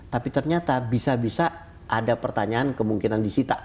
tapi ternyata bisa bisa ada pertanyaan kemungkinan di sita